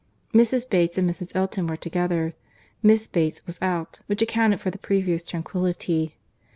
Mrs. Bates and Mrs. Elton were together. Miss Bates was out, which accounted for the previous tranquillity.